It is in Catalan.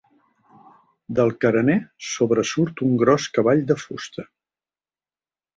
Del carener sobresurt un gros cavall de fusta.